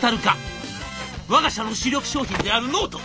「わが社の主力商品であるノート